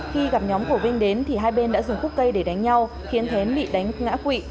khi gặp nhóm của vinh đến thì hai bên đã dùng khúc cây để đánh nhau khiến thén bị đánh ngã quỵ